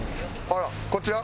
あら。